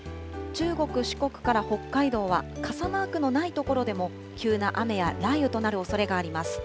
中国、四国から北海道は傘マークのない所でも、急な雨や雷雨となるおそれがあります。